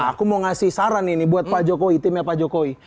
aku mau ngasih saran ini buat pak jokowi timnya pak jokowi